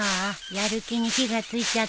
やる気に火がついちゃったよ。